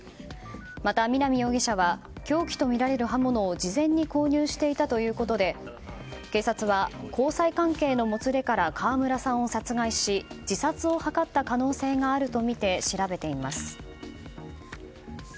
また、南容疑者は凶器とみられる刃物を事前に購入していたということで警察は、交際関係のもつれから川村さんを殺害し、自殺を図った可能性があるとみて調べています。